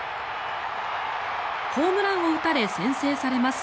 ホームランを打たれ先制されます。